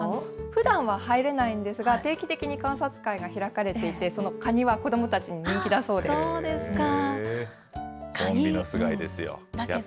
ふだんは入れないんですが、定期的に観察会が開かれていて、そのカニは子どもたちに人気だそそうですか。